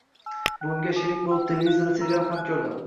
Buvimga sherik bo‘lib, televizorda serial ham ko‘rdim